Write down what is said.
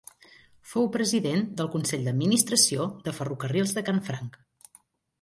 Fou president del consell d'administració de Ferrocarrils de Canfranc.